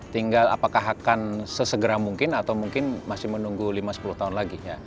tinggal apakah akan sesegera mungkin atau mungkin masih menunggu lima sepuluh tahun lagi